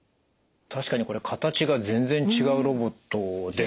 確かにこれ形が全然違うロボットですね。